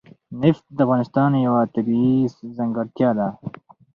نفت د افغانستان یوه طبیعي ځانګړتیا ده.